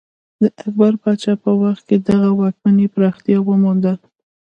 د اکبر پاچا په وخت کې دغه واکمنۍ پراختیا ومونده.